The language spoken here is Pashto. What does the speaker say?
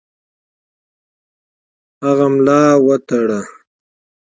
هغه ملا وتړي.